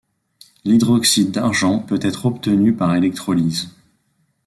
L'hydroxyde d'argent peut être obtenu par électrolyse.